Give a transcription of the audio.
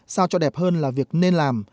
sao cho đẹp hơn là việc nên làm